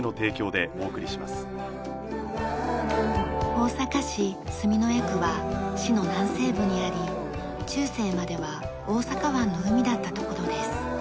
大阪市住之江区は市の南西部にあり中世までは大阪湾の海だった所です。